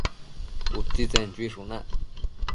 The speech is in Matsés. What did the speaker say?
Utsitsen chuishunac